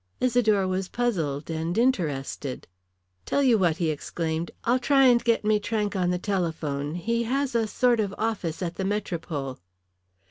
Isidore was puzzled and interested. "Tell you what," he exclaimed, "I'll try and get Maitrank on the telephone. He has a sort of office at the Metropole."